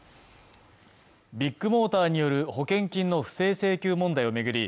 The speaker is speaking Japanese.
ビッグモーターによる保険金の不正請求問題を巡り